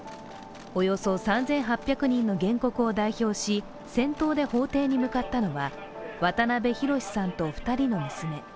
およそ３８００人の原告を代表し、先頭で法廷に向かったのは渡部寛志さんと２人の娘。